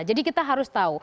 jadi kita harus tahu